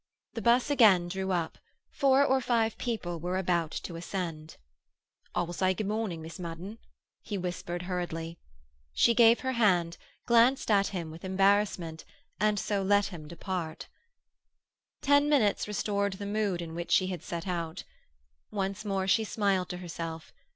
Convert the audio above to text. The bus again drew up; four or five people were about to ascend. "I will say good morning, Miss Madden," he whispered hurriedly. She gave her hand, glanced at him with embarrassment, and so let him depart. Ten minutes restored the mood in which she had set out. Once more she smiled to herself.